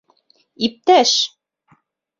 Иптәш!